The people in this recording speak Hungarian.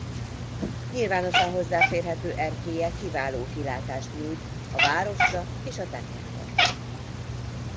Nyilvánosan hozzáférhető erkélye kiváló kilátást nyújt a városra és a tengerpartra.